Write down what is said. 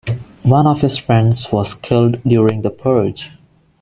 One of his friends was killed during the purge.